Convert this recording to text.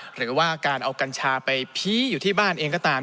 หรือว่าการเอากัญชาไปพี้อยู่ที่บ้านเองก็ตาม